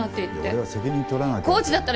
いや俺は責任取らなきゃって。